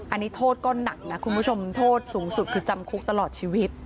อันนี้โทษก็หนักนะคุณผู้ชมโทษสูงสุดคือจำคุกตลอดชีวิต